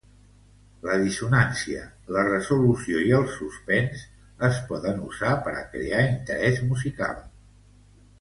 La dissonància, la resolució i el suspens es poden usar per a crear interès musical.